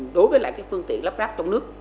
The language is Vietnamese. đối với phương tiện lắp ráp trong nước